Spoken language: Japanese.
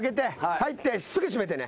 入ってすぐ閉めてね。